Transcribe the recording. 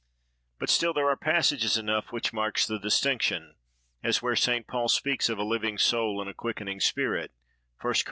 But still there are passages enough which mark the distinction; as where St. Paul speaks of a "living soul and a quickening spirit:" 1 Cor.